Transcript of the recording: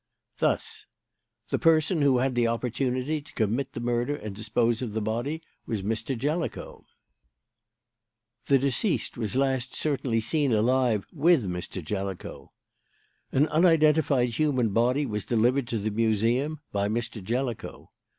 Thus: "The person who had the opportunity to commit the murder and dispose of the body was Mr. Jellicoe. "The deceased was last certainly seen alive with Mr. Jellicoe. "An unidentified human body was delivered to the Museum by Mr. Jellicoe.